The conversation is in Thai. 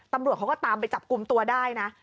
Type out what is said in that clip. ตำรวจเขาก็ตามไปจับกลุ่มตัวได้นะ